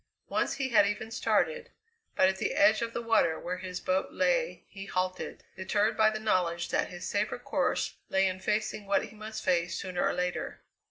Once he had even started, but at the edge of the water where his boat lay he halted, deterred by the knowledge that his safer course lay in facing what he must face sooner or later.